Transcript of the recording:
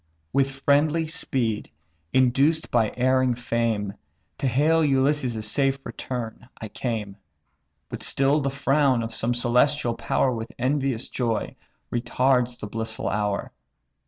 "With friendly speed, induced by erring fame, To hail Ulysses' safe return I came; But still the frown of some celestial power With envious joy retards the blissful hour.